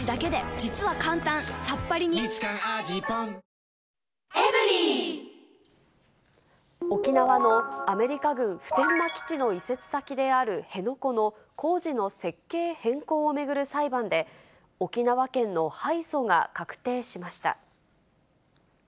過去最大の補助金も沖縄のアメリカ軍普天間基地の移設先である辺野古の、工事の設計変更を巡る裁判で、沖縄県の敗訴が確定しました。